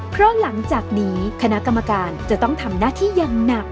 เพราะหลังจากนี้คณะกรรมการจะต้องทำหน้าที่อย่างหนัก